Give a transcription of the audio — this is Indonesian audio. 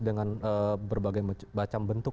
dengan berbagai macam bentuk